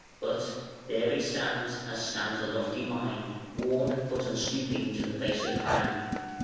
But "there it stands, as stands a lofty mind, Worn, but unstooping to the baser crowd".